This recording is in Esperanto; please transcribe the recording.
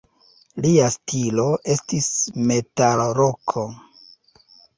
Lia stilo estis metalroko.